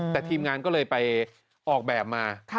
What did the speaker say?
แต่ทีมงานก็เลยไปออกแบบมา